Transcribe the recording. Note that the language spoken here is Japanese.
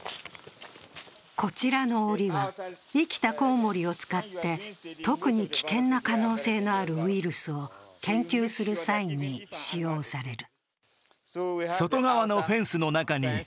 こちらのおりは、生きたコウモリを使って特に危険な可能性のあるウイルスを研究する際に使用される。